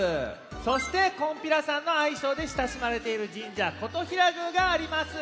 そして「こんぴらさん」のあいしょうでしたしまれているじんじゃ金刀比羅宮があります。